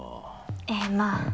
ええまあ。